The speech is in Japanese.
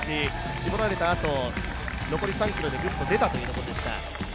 絞られたあと、残り３ｋｍでぐっと出たというところでした。